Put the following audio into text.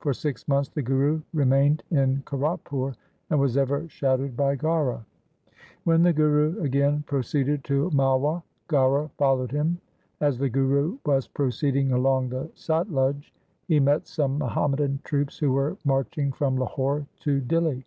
For six months the Guru remained in Kiratpur, and was ever shadowed by Gaura. When the Guru again proceeded to Malwa, Gaura followed him. As the Guru was proceeding along the Satluj, he met some Muhammadan troops who were marching from Lahore to Dihli.